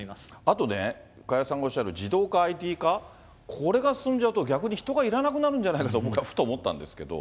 あとね、加谷さんがおっしゃる自動化、ＩＴ化、これが進んじゃうと、逆に人がいらなくなるんじゃないかと僕はふと思ったんですけど。